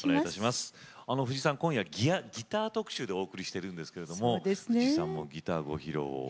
藤さん今夜ギター特集でお送りしてるんですけれども藤さんもギターご披露を？